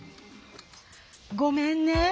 ごめんね。